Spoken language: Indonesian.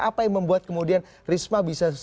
apa yang membuat kemudian risma bisa sebegitu cukup